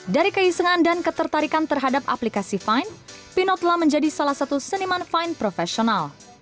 dari keisengan dan ketertarikan terhadap aplikasi fine pinot telah menjadi salah satu seniman fine profesional